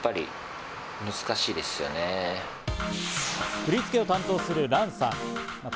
振り付けを担当するランさん。